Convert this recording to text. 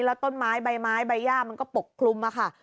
แล้วต้นไม้ใบไม้ใบย่ามันก็ปกคลุมค่ะ